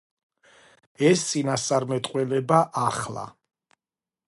ეს წინასწარმეტყველება ახლა.